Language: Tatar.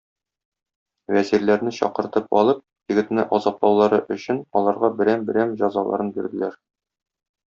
Вәзирләрне чакыртып алып, егетне азаплаулары өчен, аларга берәм-берәм җәзаларын бирделәр.